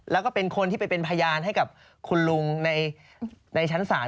แล้วก็เป็นคนที่ไปเป็นพยานให้กับคุณลุงในชั้นศาล